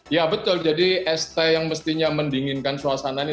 ya betul jadi st yang mestinya mendinginkan suasana ini